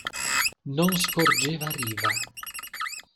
Non scorgeva riva.